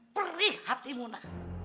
perih hati mona